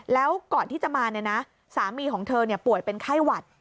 แล้วก่อนที่จะมาเนี่ยนะสามีของเธอป่วยเป็นไข้หวัด